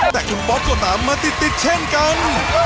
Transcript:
แต่คุณบอสก็ตามมาติดเช่นกัน